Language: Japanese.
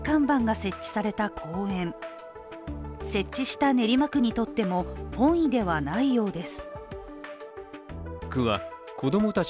設置した練馬区にとっても本意ではないようです。